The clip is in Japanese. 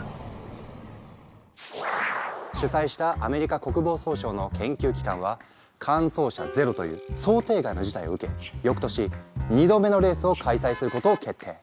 主催したアメリカ国防総省の研究機関は完走車ゼロという想定外の事態を受けよくとし２度目のレースを開催することを決定。